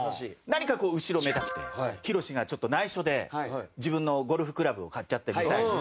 何かこう後ろめたくてひろしがちょっと内緒で自分のゴルフクラブを買っちゃってみさえに。